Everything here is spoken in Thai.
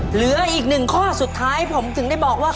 เหลืออีกหนึ่งข้อสุดท้ายผมถึงได้บอกว่า